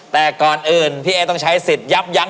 แต่ก่อนอื่นพี่เอ๊ต้องใช้สิทธิ์ยับยั้ง